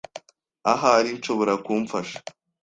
Ahari nshobora kumfasha.